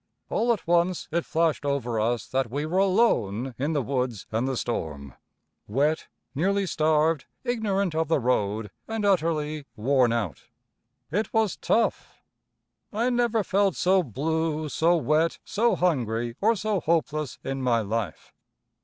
All at once it flashed over us that we were alone in the woods and the storm, wet, nearly starved, ignorant of the road and utterly worn out! [Illustration: IT WAS TOUGH.] It was tough! I never felt so blue, so wet, so hungry, or so hopeless in my life.